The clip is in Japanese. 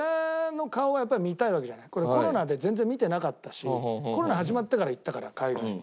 コロナで全然見てなかったしコロナ始まってから行ったから海外に。